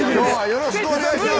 よろしくお願いします。